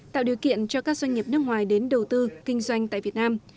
tạo điều kiện cho các doanh nghiệp nước ngoài đến đầu tư kinh doanh tại việt nam